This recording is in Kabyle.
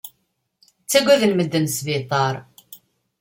Ttagaden medden sbiṭar.